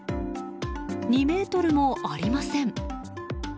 ２ｍもありません。